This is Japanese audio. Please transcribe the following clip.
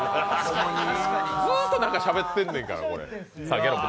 ずっとなんかしゃべってんねんから。